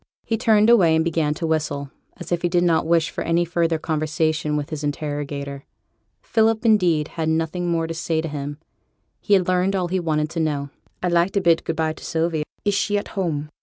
He turned away, and began to whistle, as if he did not wish for any further conversation with his interrogator. Philip, indeed, had nothing more to say to him: he had learned all he wanted to know. 'I'd like to bid good by to Sylvie. Is she at home?'